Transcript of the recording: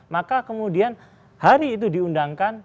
maka kemudian hari itu diundangkan